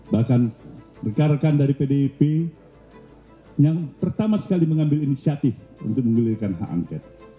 bahkan rekan rekan dari pdip yang pertama sekali mengambil inisiatif untuk mengelirkan hak angket